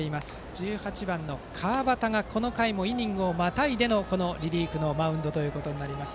１８番の川端がこの回もイニングをまたいでのリリーフのマウンドとなります。